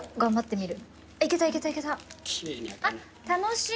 あっ楽しい。